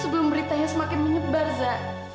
sebelum beritanya semakin menyebar za